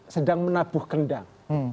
sedang menabuh kendang